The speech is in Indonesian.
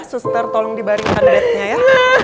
suster tolong dibaringkan netnya ya